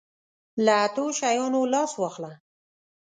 له اتو شیانو لاس واخله.